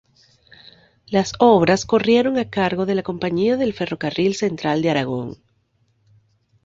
Las obras corrieron a cargo de la Compañía del Ferrocarril Central de Aragón.